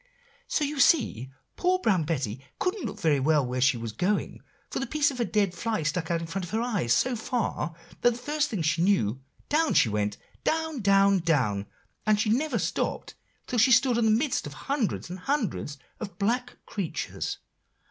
"So you see poor Brown Betty couldn't look very well where she was going; for the piece of a dead fly stuck out in front of her eyes so far, that the first thing she knew, down she went down, down, down, and she never stopped till she stood in the midst of hundreds and hundreds of black creatures."